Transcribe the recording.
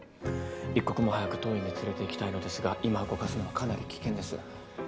一刻も早く当院に連れていきたいのですが今動かすのはかなり危険です。